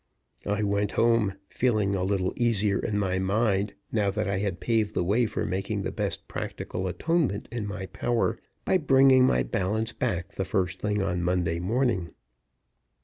I went home, feeling a little easier in my mind now that I had paved the way for making the best practical atonement in my power by bringing my balance back the first thing on Monday morning.